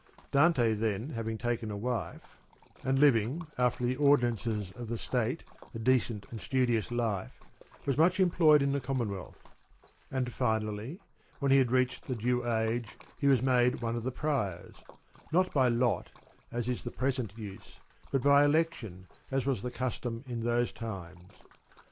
Dante then having taken a wife, and living, after the ordinances of the state, a decent and studious life, was much employed in the Common wealth ; and finally, when he had reached the due age, he was made one of the Priors, not by lot as is the present use, but by election as was the custom in those times.